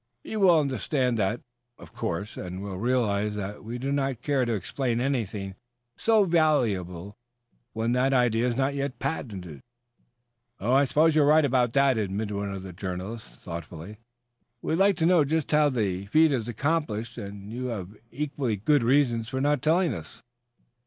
You will understand that, of course, and will realize that we do not care to explain anything so valuable, when that idea is not yet patented." "I suppose you're right about that," admitted one of the journalists, thoughtfully. "We'd like awfully to know just how the feat is accomplished, and you have equally good reasons for not telling us."